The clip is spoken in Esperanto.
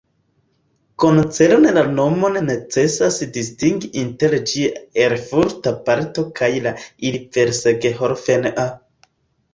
Koncerne la nomon necesas distingi inter ĝia erfurta parto kaj la ilversgehofen-a.